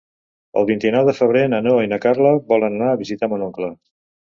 El vint-i-nou de febrer na Noa i na Carla volen anar a visitar mon oncle.